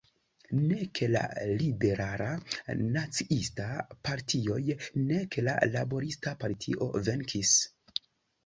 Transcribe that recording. Nek la Liberala-Naciista partioj, nek la Laborista partio venkis.